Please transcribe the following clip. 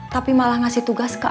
tapi malah ngasih tugas ke atas